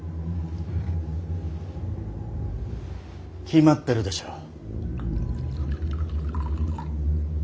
決まってるでしょう。